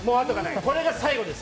これが最後です。